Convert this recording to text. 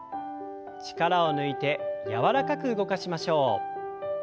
力を抜いて柔らかく動かしましょう。